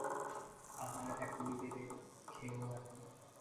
আবার এখুনি দেবে, খেয়ো এখন।